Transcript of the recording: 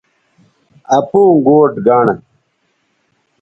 اپوں گوٹھ گنڑ